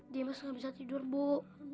dimas nggak bisa tidur bu